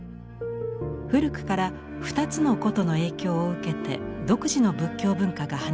古くから２つの古都の影響を受けて独自の仏教文化が花開きました。